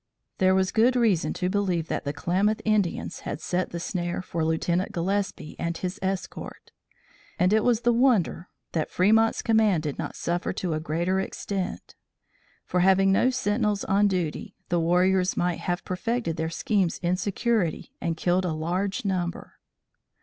There was good reason to believe that the Klamath Indians had set the snare for Lieutenant Gillespie and his escort. As it was, the wonder was that Fremont's command did not suffer to a greater extent; for having no sentinels on duty, the warriors might have perfected their schemes in security and killed a large number.